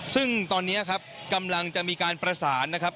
ซึ่งตอนนี้ครับกำลังจะมีการประสานนะครับ